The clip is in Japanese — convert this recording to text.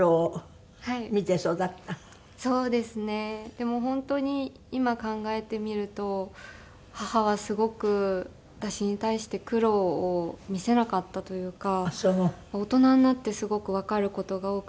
でも本当に今考えてみると母はすごく私に対して苦労を見せなかったというか大人になってすごくわかる事が多くて。